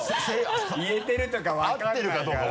言えてるとか分からないから。